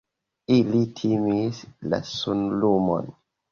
Ili timis la sunlumon.